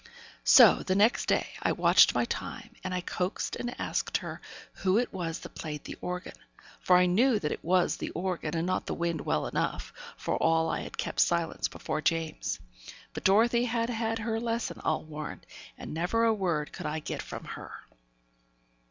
So, the next day, I watched my time, and I coaxed and asked her who it was that played the organ; for I knew that it was the organ and not the wind well enough, for all I had kept silence before James. But Dorothy had had her lesson, I'll warrant, and never a word could I get from her.